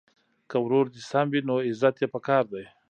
که ورور دي سم وي نو عزت یې په کار دی.